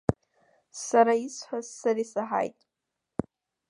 Сара исҳәаз, сара исаҳаит.